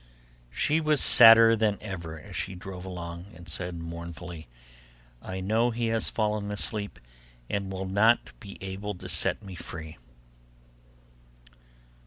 She was sadder than ever as she drove along, and said mournfully, 'I know he has fallen asleep, and will not be able to set me free.